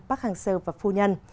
park hang seo và phu nhân